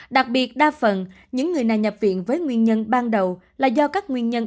đặc biệt đa phần những người này nhập viện với nguyên nhân ban đầu là do các nguyên nhân